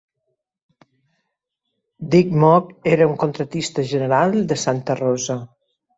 Dick Maugg era un contractista general de Santa Rosa.